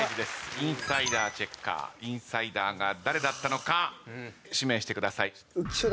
インサイダーチェッカーインサイダーが誰だったのか指名してください。